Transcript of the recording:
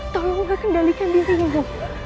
tolong ibu kendalikan dirimu